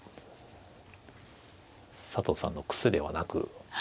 佐藤さんの癖ではなく。